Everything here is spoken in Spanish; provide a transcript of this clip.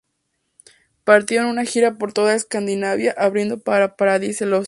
Partieron en una gira por toda Escandinavia, abriendo para Paradise Lost.